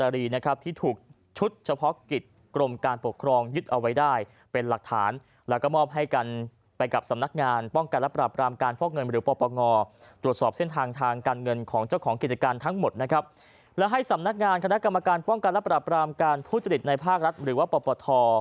และให้สำนักงานคณะกรรมการป้องกันและปรับรามการทุจริตในภาครัฐหรือว่าปปท